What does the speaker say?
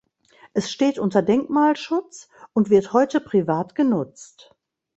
Es steht unter Denkmalschutz und wird heute privat genutzt.